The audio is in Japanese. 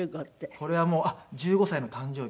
これはもうあっ１５歳の誕生日。